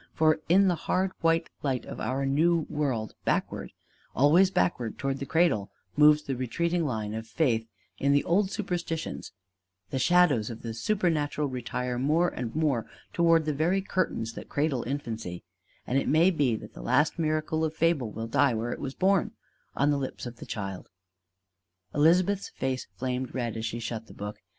For in the hard white light of our New World backward, always backward toward the cradle moves the retreating line of faith in the old superstitions: the shadows of the supernatural retire more and more toward the very curtains that cradle infancy; and it may be that the last miracle of fable will die where it was born on the lips of the child. Elizabeth's face flamed red as she shut the book.